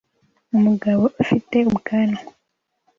Umugabo ufite ubwanwa